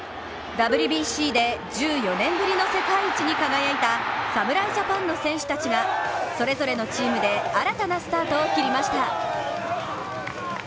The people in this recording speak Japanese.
ＷＢＣで１４年ぶりの世界一に輝いた侍ジャパンの選手たちがそれぞれのチームで新たなスタートを切りました。